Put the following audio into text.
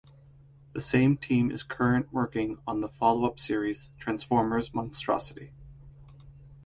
The same team is current working on the follow-up series, "Transformers: Monstrosity".